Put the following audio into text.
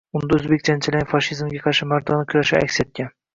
Unda o`zbek jangchilarining fashizmga qarshi mardona kurashlari aks etgan